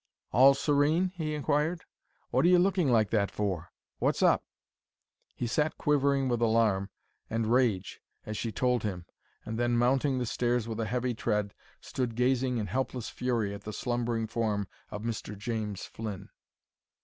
"All serene?" he inquired. "What are you looking like that for? What's up?" He sat quivering with alarm and rage as she told him, and then, mounting the stairs with a heavy tread, stood gazing in helpless fury at the slumbering form of Mr. James Flynn.